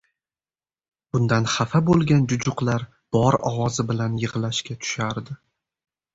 Bundan xafa boʻlgan jujuqlar bor ovozi bilan yigʻlashga tushardi.